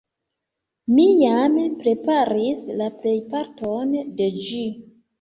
Mi jam preparis la plejparton de ĝi.